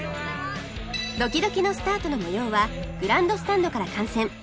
ドキドキのスタートの模様はグランドスタンドから観戦